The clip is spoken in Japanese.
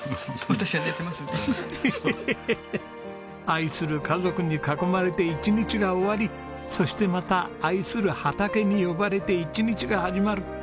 愛する家族に囲まれて一日が終わりそしてまた愛する畑に呼ばれて一日が始まる。